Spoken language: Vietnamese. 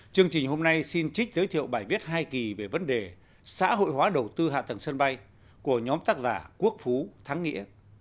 chương trình hôm nay xin trích giới thiệu bài viết hai kỳ về vấn đề xã hội hóa đầu tư hạ tầng sân bay của nhóm tác giả quốc phú thắng nghĩa